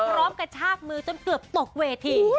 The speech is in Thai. กระชากมือจนเกือบตกเวที